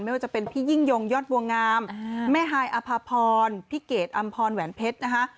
ไม่ว่าจะเป็นพี่ยิ่งยงยอดบัวงามแม่ฮายอภาพรพี่เกดอำพรแหวนเพชรนะคะ